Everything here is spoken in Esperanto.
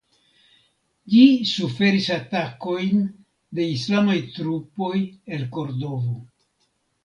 Ĝi suferis atakojn de islamaj trupoj el Kordovo.